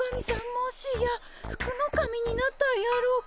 もしや福の神になったんやろか？